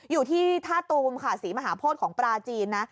อยู่ที่ท่าตูมค่ะศรีมหาโพธิของปลาจีนนะ